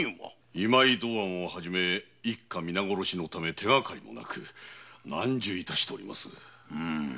今井道庵を初め一家皆殺しのため手がかりもなく難渋致しております。